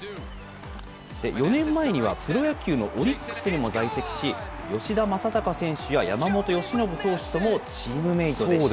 ４年前にはプロ野球のオリックスにも在籍し、吉田正尚選手や山本由伸投手ともチームメートでした。